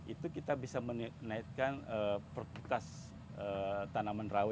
itu kita bisa menaikkan per kutas tanaman rawa